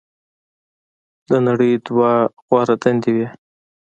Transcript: "د نړۍ دوه غوره دندې وې.